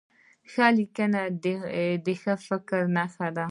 ښه لیکنه د ښه فکر نښه ده.